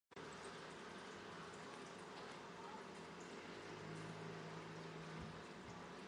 戴维斯杯瑞士队凭藉他的两场单打胜利客场战胜荷兰队顺利保组。